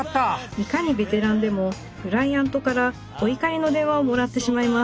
いかにベテランでもクライアントからお怒りの電話をもらってしまいます。